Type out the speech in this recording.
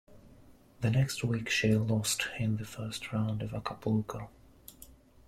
The next week she lost in the first round of Acapulco.